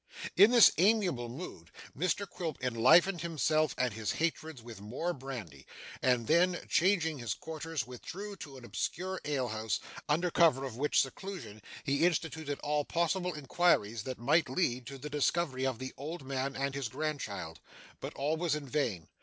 In this amiable mood, Mr Quilp enlivened himself and his hatreds with more brandy, and then, changing his quarters, withdrew to an obscure alehouse, under cover of which seclusion he instituted all possible inquiries that might lead to the discovery of the old man and his grandchild. But all was in vain.